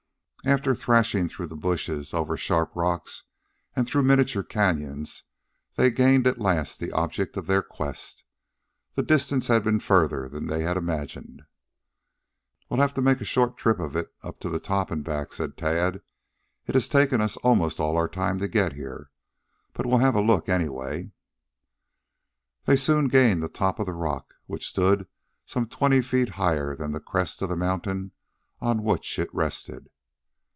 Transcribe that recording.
After threshing through the bushes, over sharp rocks and through miniature canyons, they gained at last the object of their quest. The distance had been further than they had imagined. "We'll have to make a short trip of it up to the top and back," said Tad. "It has taken us almost all our time to get here. But we'll have a look, anyway." They soon gained the top of the rock, which stood some twenty feet higher than the crest of the mountain on which it rested.